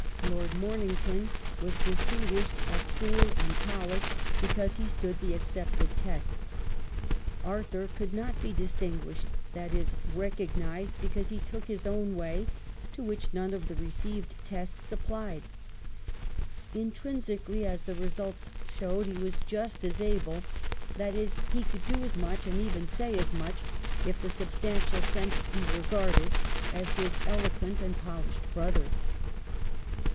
Lord Momington was distinguished at school and college because he stood the accepted tests ; Arthur could not be distinguished, that is, recognised, because he took his own way, to which none of the received tests applied. Intrinsically, as the result showed, he was just as able — that is, he could do as much and even say as much, if the substantial sense be regarded, as his eloquent and polished brother.